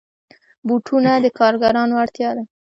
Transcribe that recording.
بوټونه د کارګرانو اړتیا ده.